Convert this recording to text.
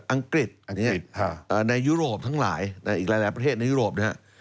อังกฤษอันนี้ในยุโรปทั้งหลายอีกหลายประเทศในยุโรปนะครับ